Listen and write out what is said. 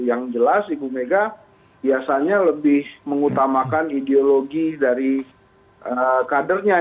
yang jelas ibu mega biasanya lebih mengutamakan ideologi dari kadernya